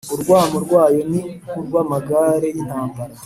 Urwamu rwayo ni nk’urw’amagare y’intambara